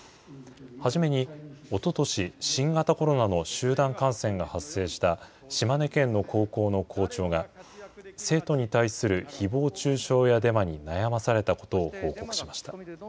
初めにおととし、新型コロナの集団感染が発生した島根県の高校の校長が、生徒に対するひぼう中傷やデマに悩まされたことを報告しました。